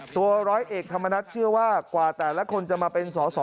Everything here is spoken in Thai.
ตัวร้อยเอกธรรมนัฐเชื่อว่ากว่าแต่ละคนจะมาเป็นสอสอ